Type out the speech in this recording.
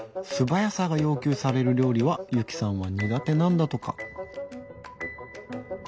素早さが要求される料理はゆきさんは苦手なんだとか。